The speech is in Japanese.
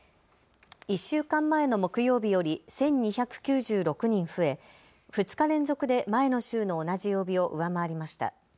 １週間前の木曜日より１２９６人増え、２日連続で前の週の同じ曜日を上回りました。